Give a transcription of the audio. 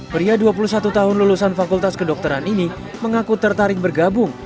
pria dua puluh satu tahun lulusan fakultas kedokteran ini mengaku tertarik bergabung